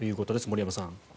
森山さん。